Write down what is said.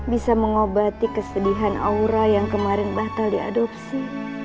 bisa mengobati kesedihan aura yang kemarin batal diadopsi